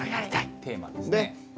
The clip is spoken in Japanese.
テーマですね。